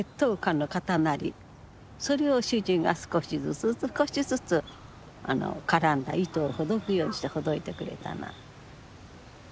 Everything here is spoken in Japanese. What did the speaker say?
それを主人が少しずつ少しずつ絡んだ糸をほどくようにしてほどいてくれたの。